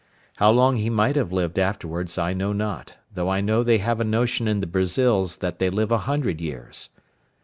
How long he might have lived afterwards I know not, though I know they have a notion in the Brazils that they live a hundred years.